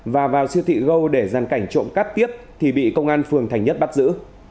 và vào siêu thị gâu để gian cảnh trộm cắp tiếp thì bị công an phường thành nhất bắt giữ